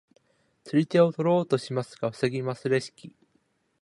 釣り手を取ろうとしますが防ぎますレシキ。